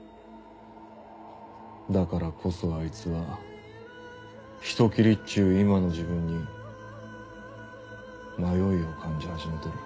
だからこそあいつは人斬りっちゅう今の自分に迷いを感じ始めとる。